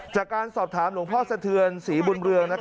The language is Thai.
จากการสอบถามหลวงพ่อสะเทือนศรีบุญเรือง